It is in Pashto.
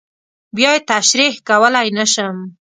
بیا یې تشریح کولی نه شم.